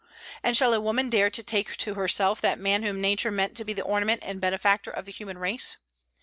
And shall a woman dare to take to herself that man whom Nature meant to be the ornament and benefactor of the human race?